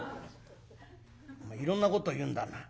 「おめえいろんなこと言うんだな。